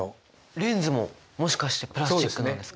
レンズももしかしてプラスチックなんですか？